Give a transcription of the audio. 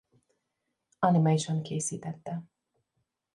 Animation készítette.